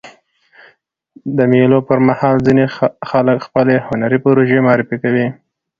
د مېلو پر مهال ځيني خلک خپلي هنري پروژې معرفي کوي.